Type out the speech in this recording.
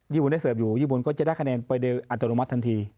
บุญได้เสิร์ฟอยู่ญี่ปุ่นก็จะได้คะแนนไปโดยอัตโนมัติทันที